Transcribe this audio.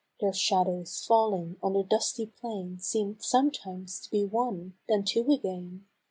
Their shadows falling on the dusty plain Seem'd sometimes to be one, then two again.